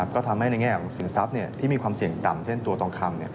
ก็ทำให้ในแง่ของสินทรัพย์ที่มีความเสี่ยงต่ำเช่นตัวทองคำ